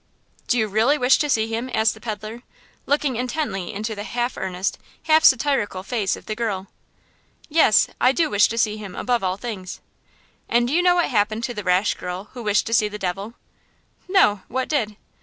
"Do you really wish to see him?" asked the peddler, looking intently into the half earnest, half satirical face of the girl. "Yes, I do wish to see him above all things!" "And do you know what happened the rash girl who wished to see the devil!" "No–what did?"